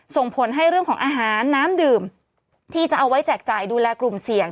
ส่งผลให้เรื่องของอาหารน้ำดื่มที่จะเอาไว้แจกจ่ายดูแลกลุ่มเสี่ยง